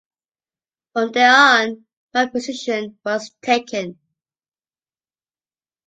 From then on, my position was taken.